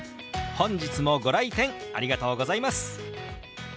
本日もご来店ありがとうございます。